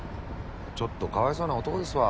ちょっとかわいそうな男ですわ。